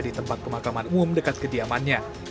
di tempat pemakaman umum dekat kediamannya